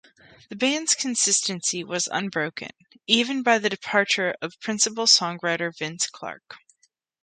The band's consistency was unbroken even by the departure of principal songwriter Vince Clarke.